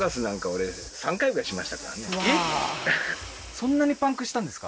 そんなにパンクしたんですか？